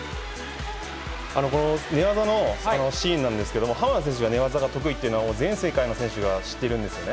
この寝技のシーンなんですけど、浜田選手が寝技が得意というのは、全世界の選手が知っているんですね。